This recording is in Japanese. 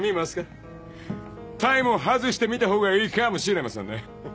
タイも外してみたほうがいいかもしれませんね。